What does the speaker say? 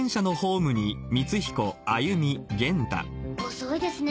遅いですね